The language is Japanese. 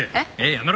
やめろ！